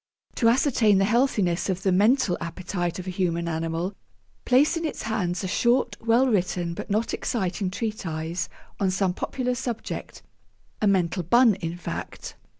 To ascertain the healthiness of the mental appetite of a human animal, place in its hands a short, well written, but not exciting treatise on some popular subject a mental bun, in fact.